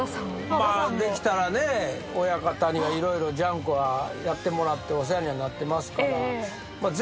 できたら親方には色々『ジャンク』はやってもらってお世話にはなってますから。